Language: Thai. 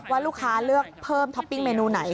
ว่าลูกค้าเลือกเพิ่มท็อปปิ้งเมนูไหน